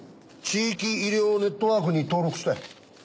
地域医療ネットワークに登録したい。